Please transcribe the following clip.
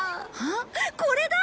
あっこれだ！